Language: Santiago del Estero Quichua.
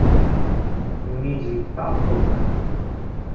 mishi paqo kan